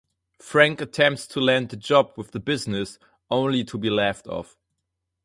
Frank attempts to land a job with the business, only to be laughed off.